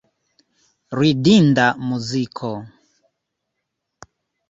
Ridinda muziko.